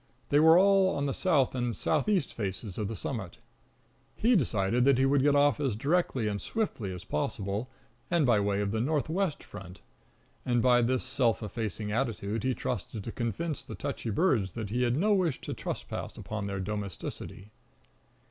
They were all on the south and southeast faces of the summit. He decided that he would get off as directly and swiftly as possible, and by way of the northwest front; and by this self effacing attitude he trusted to convince the touchy birds that he had no wish to trespass upon their domesticity.